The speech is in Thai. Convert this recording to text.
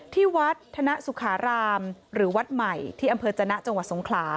ที่วัดธนสุขารามหรือวัดใหม่ที่อำเภอจนะจังหวัดสงขลา